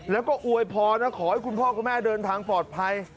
แล้วก็อวยพรนะขอให้คุณพ่อคุณแม่เดินทางปลอดภัย